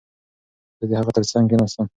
زه د هغه ترڅنګ کښېناستم.